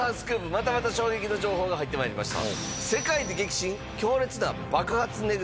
またまた衝撃の情報が入って参りました。